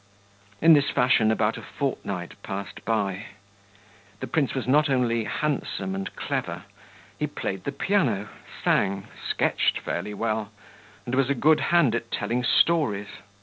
In this fashion about a fortnight passed by. The prince was not only handsome and clever: he played the piano, sang, sketched fairly well, and was a good hand at telling stories.